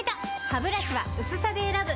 ハブラシは薄さで選ぶ！